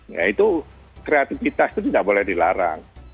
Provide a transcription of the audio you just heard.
ya itu kreativitas itu tidak boleh dilarang